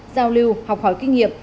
giao lưu học hỏi kinh nghiệm